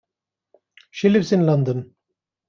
She lives in London.